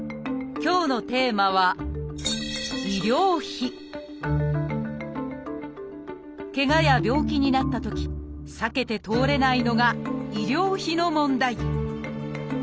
今日のテーマはけがや病気になったとき避けて通れないのが医療費の問題